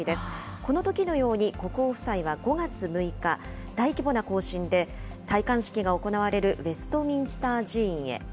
このときのように、国王夫妻は５月６日、大規模な行進で、戴冠式が行われるウェストミンスター寺院へ。